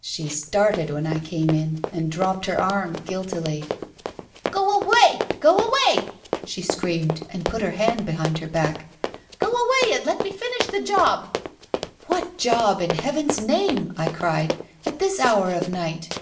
She started when I came in, and dropped her arm guiltily. 11 Go away, go away !" she screamed, and put her hand behind her back. "Go away, and let me finish the job !" "What job, in Heaven's name," I cried, "at this hour of night?